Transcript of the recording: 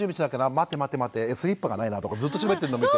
待て待て待てスリッパがないな」とかずっとしゃべってるの見て。